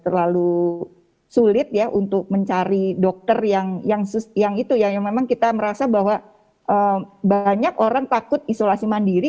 terlalu sulit ya untuk mencari dokter yang itu yang memang kita merasa bahwa banyak orang takut isolasi mandiri